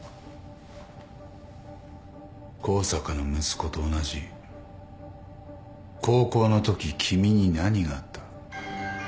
向坂の息子と同じ高校のとき君に何があった？